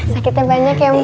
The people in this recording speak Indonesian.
sakitnya banyak ya mpo